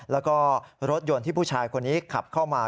แล้วก็รถยนต์ที่ผู้ชายคนนี้ขับเข้ามา